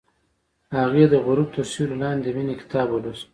هغې د غروب تر سیوري لاندې د مینې کتاب ولوست.